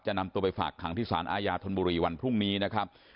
นำตัวไปฝากขังที่สารอาญาธนบุรีวันพรุ่งนี้นะครับ